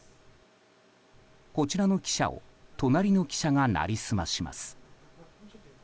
こちらの記者を隣の記者が成り済まします。